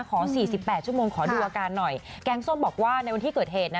ขอสี่สิบแปดชั่วโมงขอดูอาการหน่อยแกงส้มบอกว่าในวันที่เกิดเหตุนะ